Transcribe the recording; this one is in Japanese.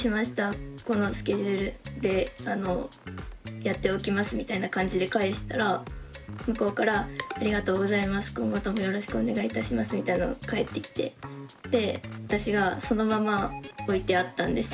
このスケジュールでやっておきます」みたいな感じで返したら向こうから「ありがとうございます。今後ともよろしくお願いいたします」みたいなの返ってきてで私がそのまま置いてあったんですよ。